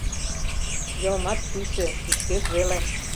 Йылмат пӱсӧ — пӱчкеш веле.